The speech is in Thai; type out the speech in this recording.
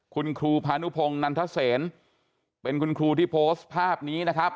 คุณครูพานุพงศ์นันทเศษเป็นคุณครูที่โพสต์ภาพนี้นะครับ